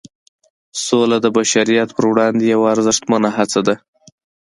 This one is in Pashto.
سوله د بشریت پر وړاندې یوه ارزښتمنه هڅه ده.